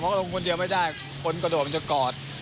เขาลงคนเดียวไม่ได้คนกระโดดมันจะกอด